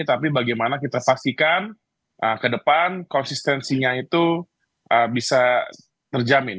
tapi bagaimana kita pastikan ke depan konsistensinya itu bisa terjamin